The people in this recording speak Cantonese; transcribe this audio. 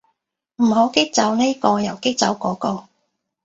唔好激走呢個又激走嗰個